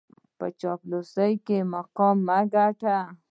په چاپلوسۍ مقام مه ګټئ.